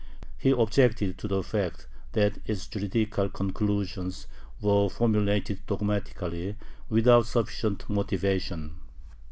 He objected to the fact that its juridical conclusions were formulated dogmatically, without sufficient motivation.